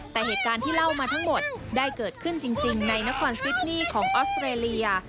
แต่เหตุการณ์ที่เล่ามาทั้งหมดได้เกิดขึ้นจริงในนครซิดนี่ของออสเตรเลีย